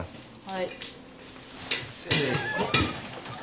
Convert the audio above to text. はい。